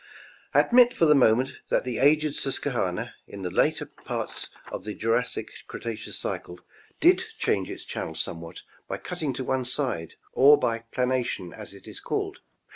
Admit, for the moment, that the aged Susquehanna, in the later part of the Jura Cretaceous cycle, did change its channel some what by cutting to one side, or by planation, as it is called.